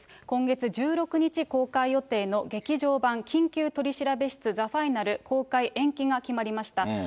今月１６日公開予定の劇場版緊急取調室ザ・ファイナル公開延期が決まりました。